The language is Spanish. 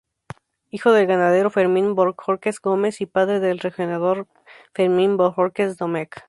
Hijo del ganadero Fermín Bohórquez Gómez y padre del rejoneador Fermín Bohórquez Domecq.